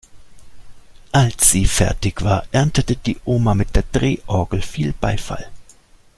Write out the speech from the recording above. Als sie fertig war, erntete die Oma mit der Drehorgel viel Beifall.